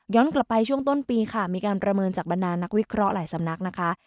กลับไปช่วงต้นปีค่ะมีการประเมินจากบรรดานักวิเคราะห์หลายสำนักนะคะ